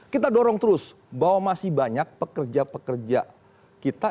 kita dorong terus bahwa masih banyak pekerja pekerja kita